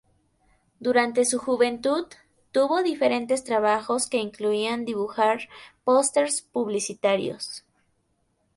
Durante su juventud, tuvo diferentes trabajos que incluían dibujar pósters publicitarios.